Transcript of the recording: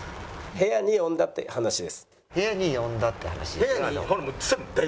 「部屋に呼んだって話です」。